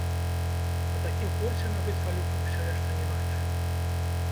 Па такім курсе набыць валюту ўсё яшчэ немагчыма.